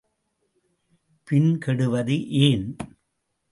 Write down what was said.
பின் கெடுவது ஏன்?